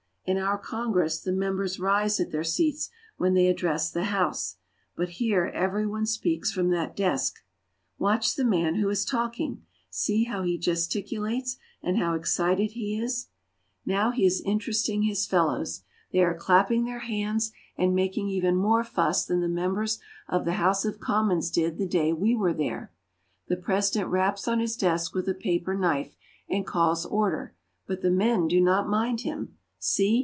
In our Congress the members rise at their seats when they address the House, but here every one speaks from that desk. Watch the man who is talking! See how he gesticulates and how excited he is! Now 1 24 FRANCE. he is interesting his fellows ; they are clapping their hands, and making even more fuss than the members of the House of Commons did the day we were there. The President raps on his desk with a paper knife, and calls order, but the men do not mind him. See